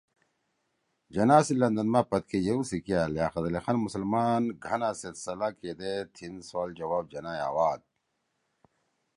جناح سی لندن ما پدکے ییؤ سی کیا لیاقت علی خان مسلمان گھنا سیت صلا کیدے تھیِن سوال جواب جناح ئے آواد